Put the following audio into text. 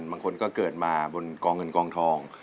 บางคนก็เกิดมาบนกองเงินกองทอง